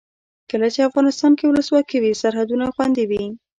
کله چې افغانستان کې ولسواکي وي سرحدونه خوندي وي.